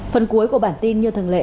phần cuối của bản tin như thường lệ